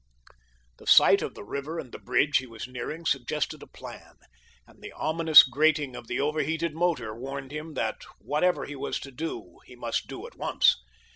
The sight of the river and the bridge he was nearing suggested a plan, and the ominous grating of the overheated motor warned him that whatever he was to do he must do at once.